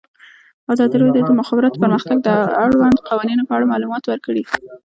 ازادي راډیو د د مخابراتو پرمختګ د اړونده قوانینو په اړه معلومات ورکړي.